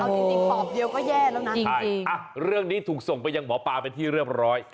เอาจริงปอบเดียวก็แย่แล้วนะเรื่องนี้ถูกส่งไปยังหมอปลาเป็นที่เรียบร้อย